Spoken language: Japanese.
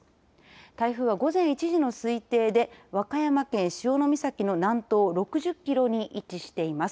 台風は午前１時の推定で和歌山県潮岬の南東６０キロに位置しています。